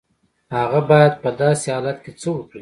هغه بايد په داسې حالت کې څه وکړي؟